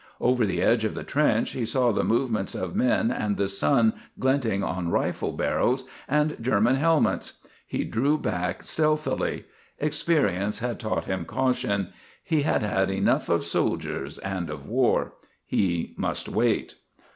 Over the edge of the trench he saw the movements of men and the sun glistening on rifle barrels and German helmets. He drew back stealthily. Experience had taught him caution. He had had enough of soldiers and of war. He must wait.